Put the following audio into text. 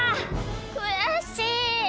くやしい！